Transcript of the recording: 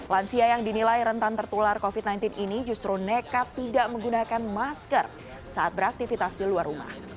lansia yang dinilai rentan tertular covid sembilan belas ini justru nekat tidak menggunakan masker saat beraktivitas di luar rumah